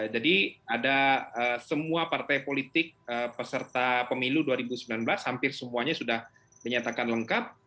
jadi ada semua partai politik peserta pemilu dua ribu sembilan belas hampir semuanya sudah dinyatakan lengkap